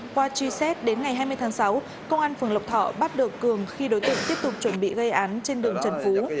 qua truy xét đến ngày hai mươi tháng sáu công an phường lộc thọ bắt được cường khi đối tượng tiếp tục chuẩn bị gây án trên đường trần phú